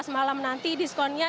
dua belas malam nanti diskonnya